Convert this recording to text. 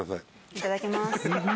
いただきます。